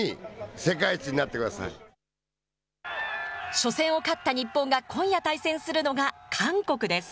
初戦を勝った日本が今夜対戦するのが韓国です。